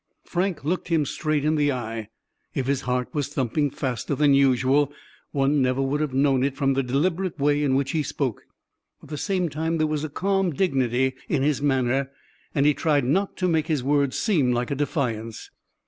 Frank looked him straight in the eye. If his heart was thumping faster than usual, one never would have known it from the deliberate way in which he spoke. At the same time there was calm dignity in his manner, and he tried not to make his words seem like a defiance.